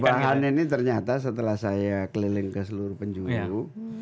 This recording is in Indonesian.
bahan ini ternyata setelah saya keliling ke seluruh penjuru